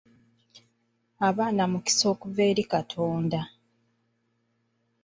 Abaana mukisa okuva eri Katonda.